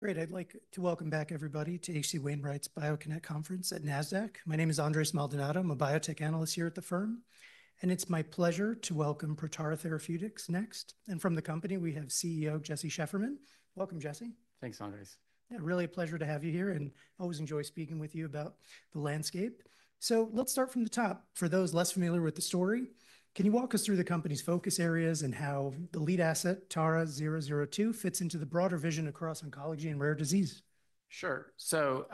Great. I'd like to welcome back everybody to HC Wainwright's BioConnect Conference at NASDAQ. My name is Andres Maldonado. I'm a biotech analyst here at the firm, and it's my pleasure to welcome Protara Therapeutics next. From the company, we have CEO Jesse Shefferman. Welcome, Jesse. Thanks, Andres. Yeah, really a pleasure to have you here, and I always enjoy speaking with you about the landscape. Let's start from the top. For those less familiar with the story, can you walk us through the company's focus areas and how the lead asset, TARA-002, fits into the broader vision across oncology and rare disease? Sure. So,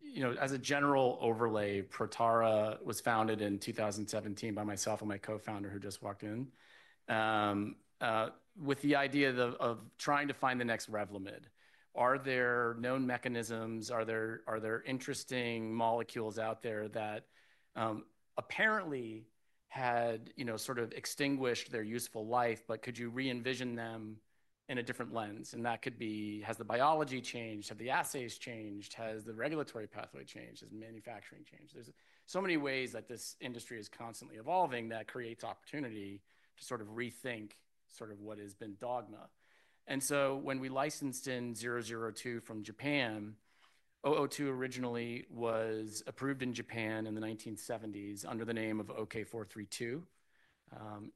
you know, as a general overlay, Protara was founded in 2017 by myself and my co-founder who just walked in with the idea of trying to find the next Revlimid. Are there known mechanisms? Are there interesting molecules out there that apparently had, you know, sort of extinguished their useful life, but could you re-envision them in a different lens? And that could be, has the biology changed? Have the assays changed? Has the regulatory pathway changed? Has manufacturing changed? There are so many ways that this industry is constantly evolving that creates opportunity to sort of rethink sort of what has been dogma. And so when we licensed in 002 from Japan, 002 originally was approved in Japan in the 1970s under the name of OK-432.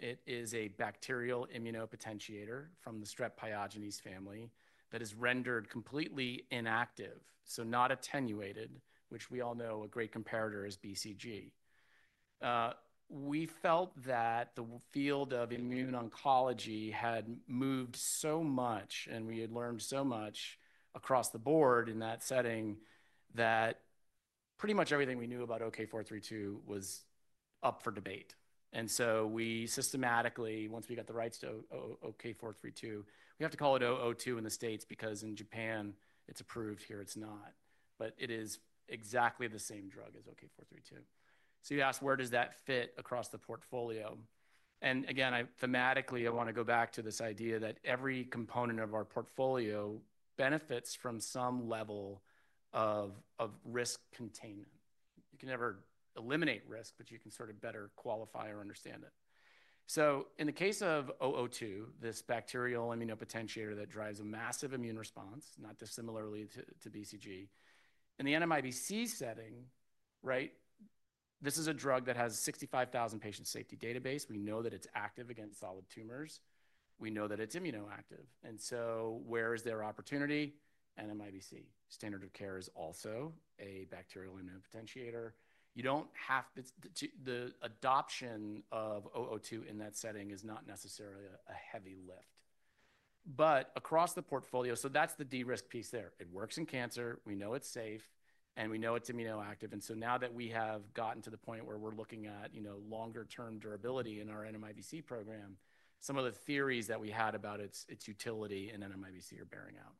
It is a bacterial immunopotentiator from the Streptococcus pyogenes family that is rendered completely inactive, so not attenuated, which we all know a great comparator is BCG. We felt that the field of immune oncology had moved so much, and we had learned so much across the board in that setting that pretty much everything we knew about OK-432 was up for debate. We systematically, once we got the rights to OK-432, we have to call it 002 in the States because in Japan it's approved, here it's not, but it is exactly the same drug as OK-432. You asked, where does that fit across the portfolio? Thematically, I want to go back to this idea that every component of our portfolio benefits from some level of risk containment. You can never eliminate risk, but you can sort of better qualify or understand it. In the case of 002, this bacterial immunopotentiator that drives a massive immune response, not dissimilarly to BCG, in the NMIBC setting, right, this is a drug that has a 65,000 patient safety database. We know that it's active against solid tumors. We know that it's immunoactive. Where is there opportunity? NMIBC. Standard of Care is also a bacterial immunopotentiator. You don't have the adoption of 002 in that setting is not necessarily a heavy lift. Across the portfolio, that's the de-risk piece there. It works in cancer. We know it's safe, and we know it's immunoactive. Now that we have gotten to the point where we're looking at, you know, longer-term durability in our NMIBC program, some of the theories that we had about its utility in NMIBC are bearing out.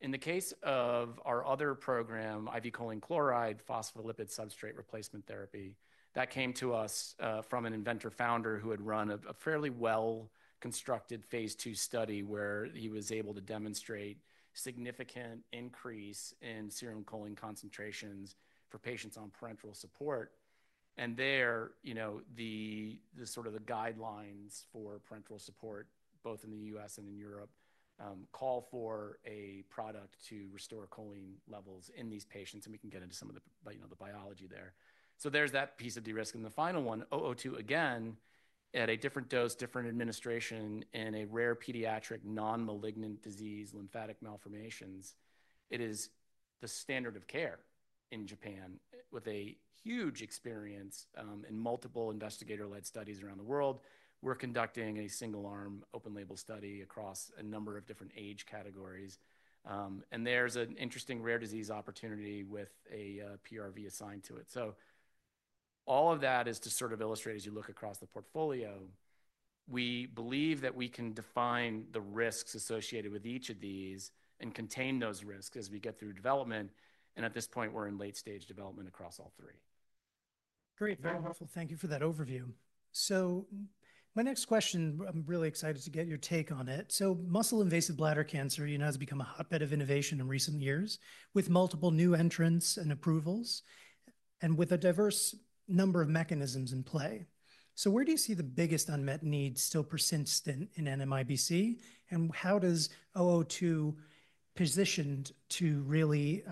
In the case of our other program, IV choline chloride, phospholipid substrate replacement therapy, that came to us from an inventor-founder who had run a fairly well-constructed phase two study where he was able to demonstrate significant increase in serum choline concentrations for patients on parenteral support. You know, the sort of the guidelines for parenteral support, both in the U.S. and in, call for a product to restore choline levels in these patients, and we can get into some of the, you know, the biology there. There's that piece of de-risk. The final one, 002, again, at a different dose, different administration in a rare pediatric non-malignant disease, lymphatic malformations, it is the standard of care in Japan with a huge experience in multiple investigator-led studies around the world. We're conducting a single-arm open-label study across a number of different age categories. There's an interesting rare disease opportunity with a PRV assigned to it. All of that is to sort of illustrate as you look across the portfolio, we believe that we can define the risks associated with each of these and contain those risks as we get through development. At this point, we're in late-stage development across all three. Great. Very helpful. Thank you for that overview. My next question, I'm really excited to get your take on it. Muscle-invasive bladder cancer, you know, has become a hotbed of innovation in recent years with multiple new entrants and approvals and with a diverse number of mechanisms in play. Where do you see the biggest unmet need still persists in NMIBC? How does 002 position to really,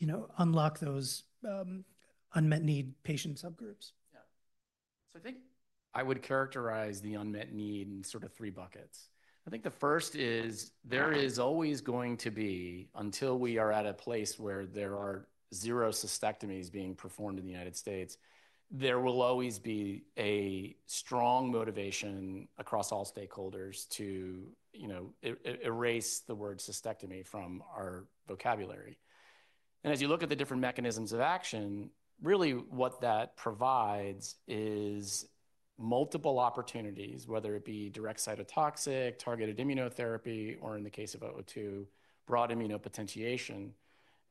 you know, unlock those unmet need patient subgroups? Yeah. I think I would characterize the unmet need in sort of three buckets. I think the first is there is always going to be, until we are at a place where there are zero cystectomies being performed in the United States, there will always be a strong motivation across all stakeholders to, you know, erase the word cystectomy from our vocabulary. As you look at the different mechanisms of action, really what that provides is multiple opportunities, whether it be direct cytotoxic, targeted immunotherapy, or in the case of 002, broad immunopotentiation.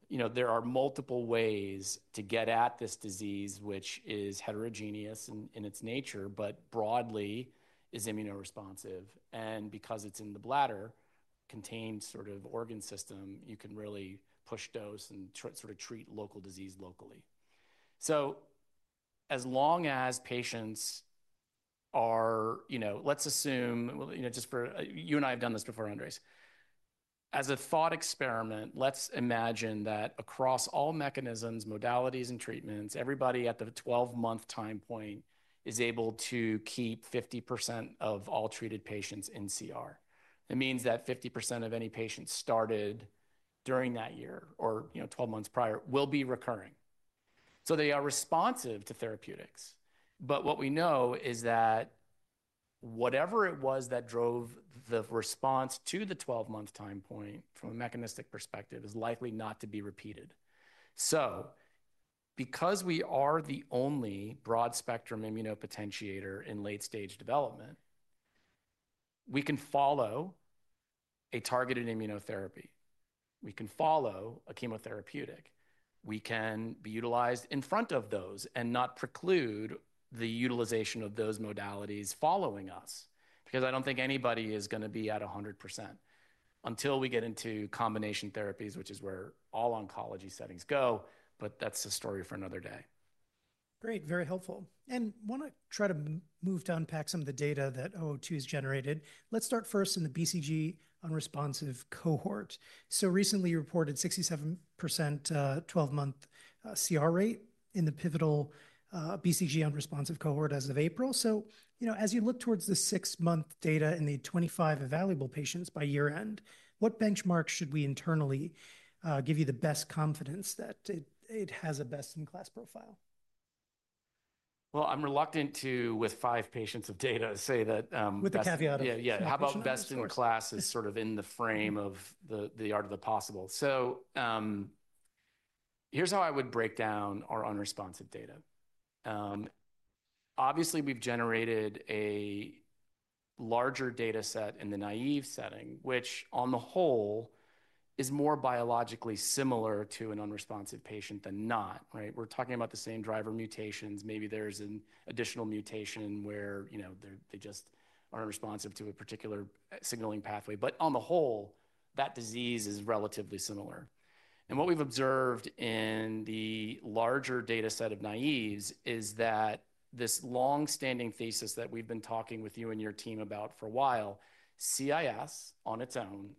You know, there are multiple ways to get at this disease, which is heterogeneous in its nature, but broadly is immunoresponsive. Because it is in the bladder, contained sort of organ system, you can really push dose and sort of treat local disease locally. As long as patients are, you know, let's assume, you know, just for you and I have done this before, Andres, as a thought experiment, let's imagine that across all mechanisms, modalities, and treatments, everybody at the 12-month time point is able to keep 50% of all treated patients in CR. That means that 50% of any patients started during that year or, you know, 12 months prior will be recurring. They are responsive to therapeutics. What we know is that whatever it was that drove the response to the 12-month time point from a mechanistic perspective is likely not to be repeated. Because we are the only broad-spectrum immunopotentiator in late-stage development, we can follow a targeted immunotherapy. We can follow a chemotherapeutic. We can be utilized in front of those and not preclude the utilization of those modalities following us because I don't think anybody is going to be at 100% until we get into combination therapies, which is where all oncology settings go. That is a story for another day. Great. Very helpful. I want to try to move to unpack some of the data that 002 has generated. Let's start first in the BCG unresponsive cohort. Recently reported 67% 12-month CR rate in the pivotal BCG unresponsive cohort as of April. You know, as you look towards the six-month data in the 25 available patients by year-end, what benchmarks should we internally give you the best confidence that it has a best-in-class profile? I'm reluctant to, with five patients of data, say that. With the caveat of. Yeah, yeah. How about best-in-class is sort of in the frame of the art of the possible. Here's how I would break down our unresponsive data. Obviously, we've generated a larger data set in the naive setting, which on the whole is more biologically similar to an unresponsive patient than not, right? We're talking about the same driver mutations. Maybe there's an additional mutation where, you know, they just aren't responsive to a particular signaling pathway. On the whole, that disease is relatively similar. What we've observed in the larger data set of naives is that this long-standing thesis that we've been talking with you and your team about for a while, CIS on its own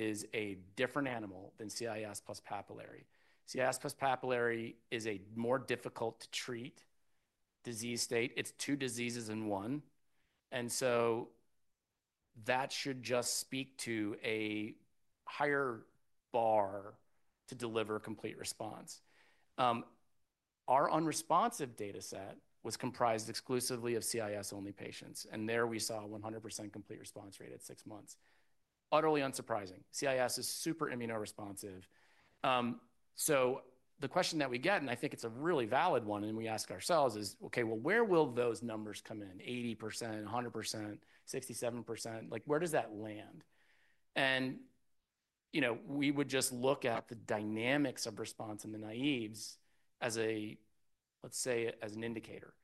is a different animal than CIS plus papillary. CIS plus papillary is a more difficult-to-treat disease state. It's two diseases in one. That should just speak to a higher bar to deliver a complete response. Our unresponsive data set was comprised exclusively of CIS-only patients. There we saw a 100% complete response rate at six months. Utterly unsurprising. CIS is super immunoresponsive. The question that we get, and I think it's a really valid one, and we ask ourselves is, okay, where will those numbers come in? 80%, 100%, 67%? Like, where does that land? You know, we would just look at the dynamics of response in the naives as a, let's say, as an indicator.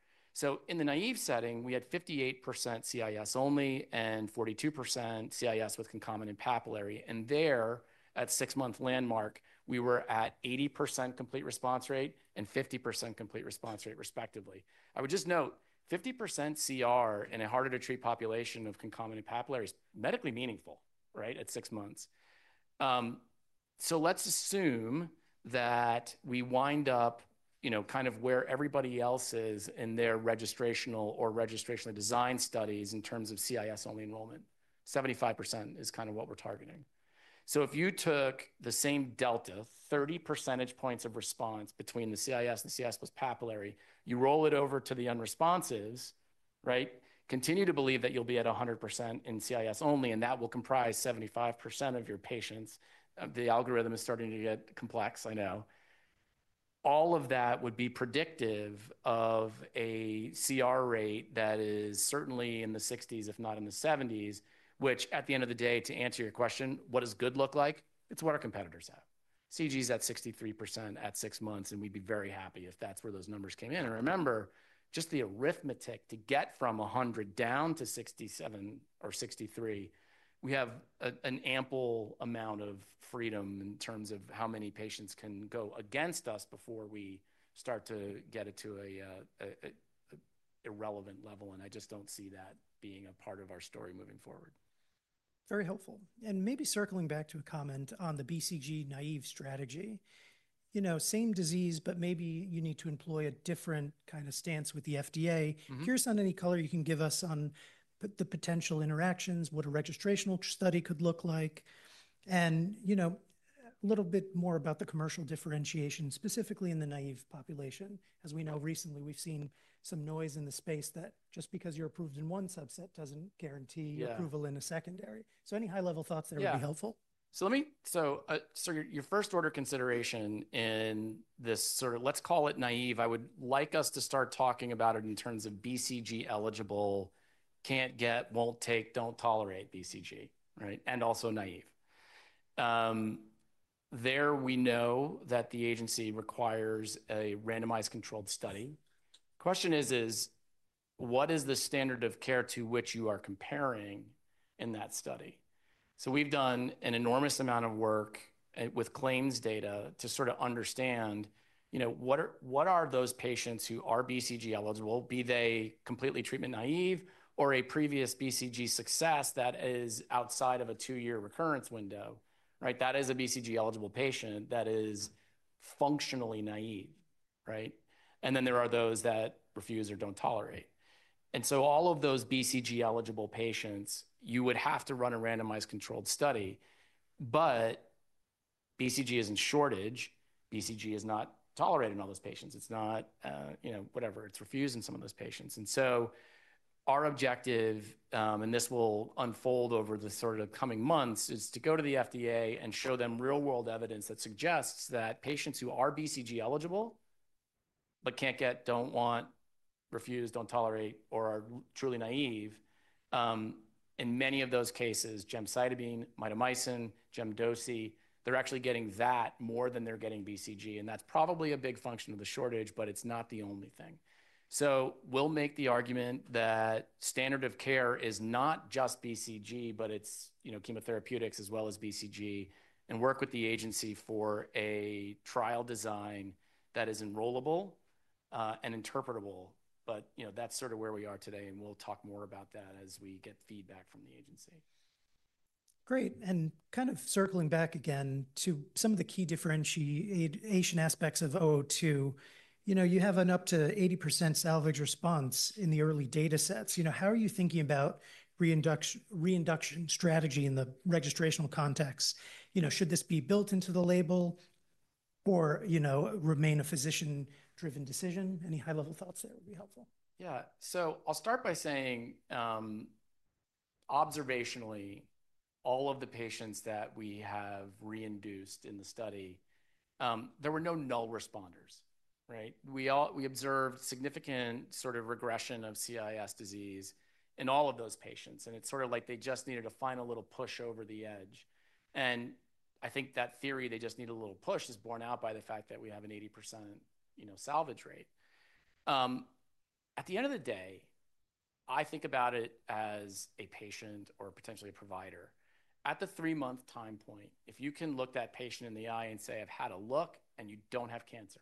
In the naive setting, we had 58% CIS only and 42% CIS with concomitant papillary. There at the six-month landmark, we were at 80% complete response rate and 50% complete response rate respectively. I would just note 50% CR in a harder-to-treat population of concomitant papillary is medically meaningful, right, at six months. Let's assume that we wind up, you know, kind of where everybody else is in their registrational or registration design studies in terms of CIS-only enrollment. 75% is kind of what we're targeting. If you took the same delta, 30 percentage points of response between the CIS and the CIS plus papillary, you roll it over to the unresponsives, right, continue to believe that you'll be at 100% in CIS only, and that will comprise 75% of your patients. The algorithm is starting to get complex, I know. All of that would be predictive of a CR rate that is certainly in the 60s, if not in the 70s, which at the end of the day, to answer your question, what does good look like? It's what our competitors have. CG is at 63% at six months, and we'd be very happy if that's where those numbers came in. Remember, just the arithmetic to get from 100 down to 67 or 63, we have an ample amount of freedom in terms of how many patients can go against us before we start to get it to an irrelevant level. I just don't see that being a part of our story moving forward. Very helpful. Maybe circling back to a comment on the BCG naive strategy, you know, same disease, but maybe you need to employ a different kind of stance with the FDA. Is there any color you can give us on the potential interactions, what a registrational study could look like, and, you know, a little bit more about the commercial differentiation, specifically in the naive population? As we know, recently we've seen some noise in the space that just because you're approved in one subset doesn't guarantee approval in a secondary. Any high-level thoughts there would be helpful? Yeah. Let me, your first order consideration in this sort of, let's call it naive, I would like us to start talking about it in terms of BCG eligible, can't get, won't take, don't tolerate BCG, right? Also naive. There we know that the agency requires a randomized controlled study. The question is, what is the standard of care to which you are comparing in that study? We've done an enormous amount of work with claims data to sort of understand, you know, what are those patients who are BCG eligible, be they completely treatment naive or a previous BCG success that is outside of a two-year recurrence window, right? That is a BCG eligible patient that is functionally naive, right? Then there are those that refuse or don't tolerate. All of those BCG eligible patients, you would have to run a randomized controlled study. BCG is in shortage. BCG is not tolerated in all those patients. It's not, you know, whatever. It's refused in some of those patients. Our objective, and this will unfold over the sort of coming months, is to go to the FDA and show them real-world evidence that suggests that patients who are BCG eligible but can't get, don't want, refuse, don't tolerate, or are truly naive, in many of those cases, gemcitabine, mitomycin, gemdosy, they're actually getting that more than they're getting BCG. That's probably a big function of the shortage, but it's not the only thing. We'll make the argument that standard of care is not just BCG, but it's, you know, chemotherapeutics as well as BCG, and work with the agency for a trial design that is enrollable and interpretable. You know, that's sort of where we are today. We'll talk more about that as we get feedback from the agency. Great. And kind of circling back again to some of the key differentiation aspects of 002, you know, you have an up to 80% salvage response in the early data sets. You know, how are you thinking about reinduction strategy in the registrational context? You know, should this be built into the label or, you know, remain a physician-driven decision? Any high-level thoughts there would be helpful. Yeah. I'll start by saying observationally, all of the patients that we have reinduced in the study, there were no null responders, right? We observed significant sort of regression of CIS disease in all of those patients. It's sort of like they just needed a final little push over the edge. I think that theory they just need a little push is borne out by the fact that we have an 80% salvage rate. At the end of the day, I think about it as a patient or potentially a provider. At the three-month time point, if you can look that patient in the eye and say, "I've had a look and you don't have cancer,"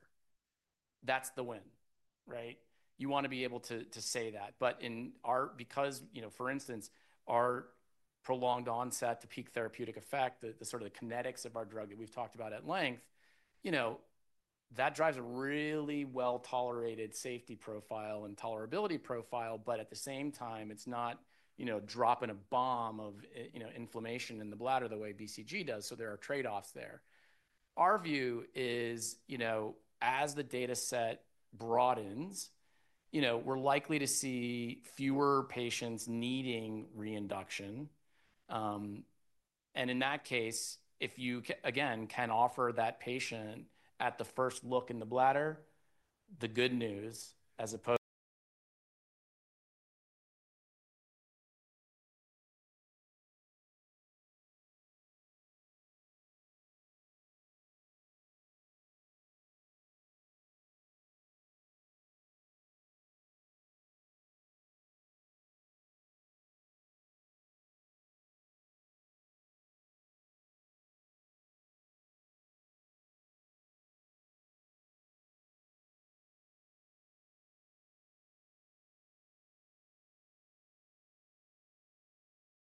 that's the win, right? You want to be able to say that. But in our, because, you know, for instance, our prolonged onset to peak therapeutic effect, the sort of the kinetics of our drug that we've talked about at length, you know, that drives a really well-tolerated safety profile and tolerability profile. At the same time, it's not, you know, dropping a bomb of, you know, inflammation in the bladder the way BCG does. There are trade-offs there. Our view is, you know, as the data set broadens, you know, we're likely to see fewer patients needing reinduction. In that case, if you again can offer that patient at the first look in the bladder, the good news as opposed.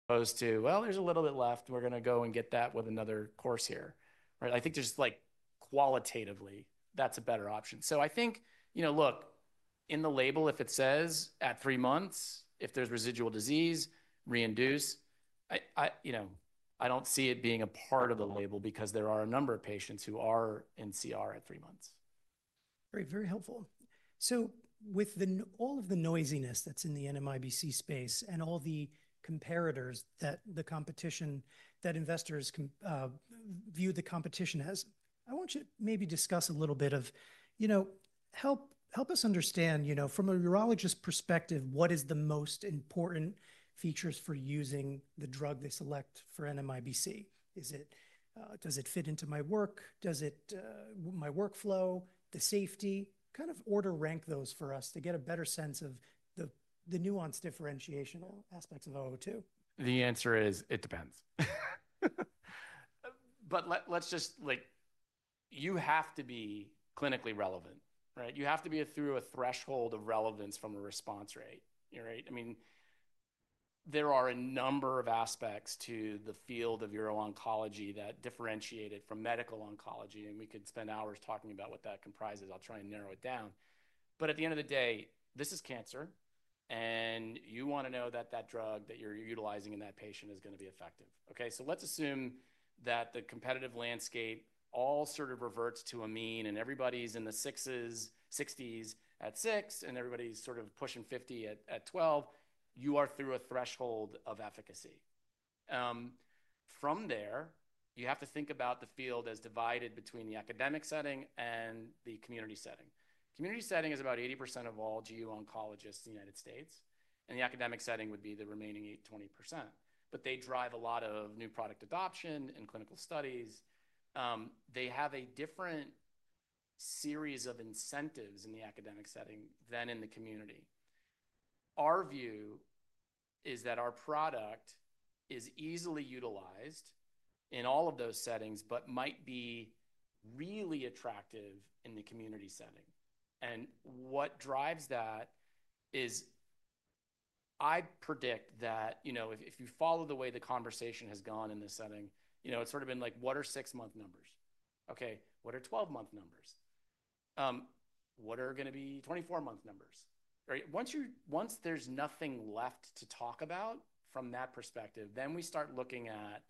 Those two, well, there's a little bit left. We're going to go and get that with another course here, right? I think there's like qualitatively that's a better option. I think, you know, look, in the label, if it says at three months, if there's residual disease, reinduce, I, you know, I don't see it being a part of the label because there are a number of patients who are in CR at three months. Great. Very helpful. With all of the noisiness that's in the NMIBC space and all the comparators that investors view the competition as, I want you to maybe discuss a little bit of, you know, help us understand, you know, from a urologist perspective, what is the most important features for using the drug they select for NMIBC? Is it, does it fit into my workflow, the safety, kind of order rank those for us to get a better sense of the nuanced differentiation aspects of 002? The answer is it depends. But let's just like, you have to be clinically relevant, right? You have to be through a threshold of relevance from a response rate, right? I mean, there are a number of aspects to the field of uro-oncology that differentiate it from medical oncology. And we could spend hours talking about what that comprises. I'll try and narrow it down. But at the end of the day, this is cancer. And you want to know that that drug that you're utilizing in that patient is going to be effective, okay? So let's assume that the competitive landscape all sort of reverts to a mean and everybody's in the sixes, sixties at six, and everybody's sort of pushing 50 at 12. You are through a threshold of efficacy. From there, you have to think about the field as divided between the academic setting and the community setting. Community setting is about 80% of all GU oncologists in the United States. The academic setting would be the remaining 20%. They drive a lot of new product adoption and clinical studies. They have a different series of incentives in the academic setting than in the community. Our view is that our product is easily utilized in all of those settings, but might be really attractive in the community setting. What drives that is I predict that, you know, if you follow the way the conversation has gone in this setting, you know, it's sort of been like, what are six-month numbers? Okay. What are 12-month numbers? What are going to be 24-month numbers? Right? Once there's nothing left to talk about from that perspective, we start looking at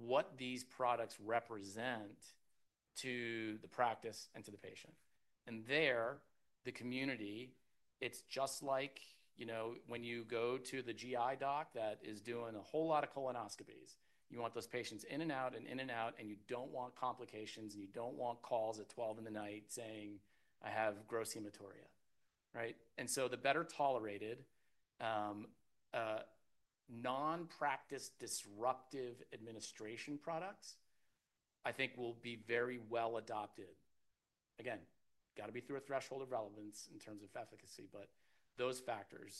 what these products represent to the practice and to the patient. There, the community, it's just like, you know, when you go to the GI doc that is doing a whole lot of colonoscopies, you want those patients in and out and in and out, and you do not want complications, and you do not want calls at 12 in the night saying, "I have gross Hematuria," right? The better tolerated non-practice disruptive administration products, I think, will be very well adopted. Again, got to be through a threshold of relevance in terms of efficacy, but those factors.